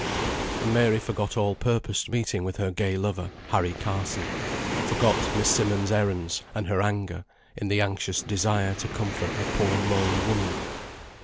And Mary forgot all purposed meeting with her gay lover, Harry Carson; forgot Miss Simmonds' errands, and her anger, in the anxious desire to comfort the poor lone woman.